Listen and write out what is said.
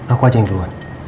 aku aja yang duluan